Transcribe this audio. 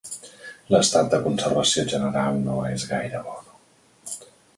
L'estat de conservació general no és gaire bo.